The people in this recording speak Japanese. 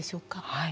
はい。